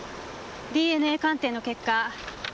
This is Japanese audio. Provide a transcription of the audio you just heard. ＤＮＡ鑑定の結果